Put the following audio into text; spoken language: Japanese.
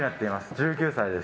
１９歳です。